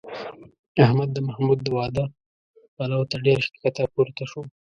احمد د محمود د واده پلو ته ډېر ښکته پورته شو.